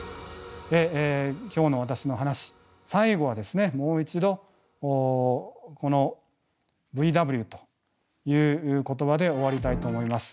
で今日の私の話最後はですねもう一度このＶＷという言葉で終わりたいと思います。